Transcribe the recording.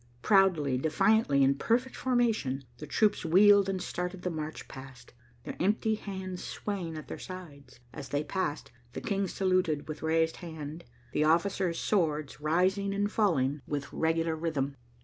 Proudly, defiantly, in perfect formation, the troops wheeled and started the march past, their empty hands swaying at their sides. As they passed, the King saluted with raised hand, the officers' swords rising and falling with regular rhythm.